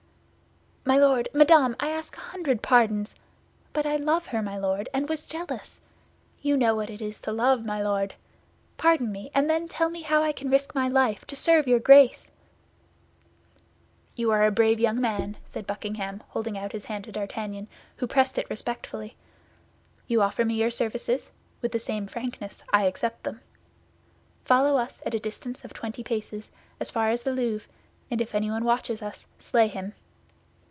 "My Lord, Madame, I ask a hundred pardons! But I love her, my Lord, and was jealous. You know what it is to love, my Lord. Pardon me, and then tell me how I can risk my life to serve your Grace?" "You are a brave young man," said Buckingham, holding out his hand to D'Artagnan, who pressed it respectfully. "You offer me your services; with the same frankness I accept them. Follow us at a distance of twenty paces, as far as the Louvre, and if anyone watches us, slay him!"